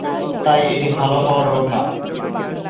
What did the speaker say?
তাই এটি ভালো হওয়ার রোগ না।